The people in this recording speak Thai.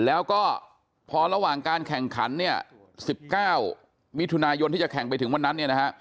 แล้วก็พอระหว่างการแข่งขัน๑๙มิถุนายนที่จะแข่งไปถึงวันนั้นนะครับ